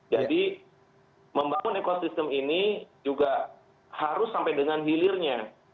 jadi membangun ekosistem ini juga harus sampai dengan hilirnya